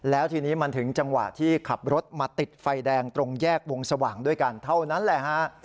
แล้วทีนี้มันถึงจังหวะที่ขับรถมาติดไฟแดงตรงแยกวงสว่างด้วยกันเท่านั้นแหละฮะ